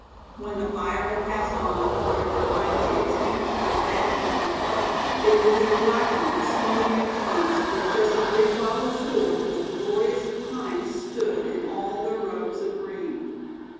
When the fire had passed on, or been finally extinguished by the downpour from above, it would leave blackened and smouldering trunks where just a brief while before the glorious pines stood in all their robes of green.